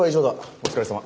お疲れさま。